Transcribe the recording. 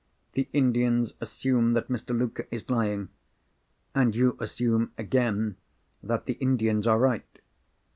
The Indians assume that Mr. Luker is lying—and you assume again that the Indians are right.